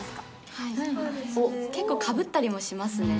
結構かぶったりもしますね。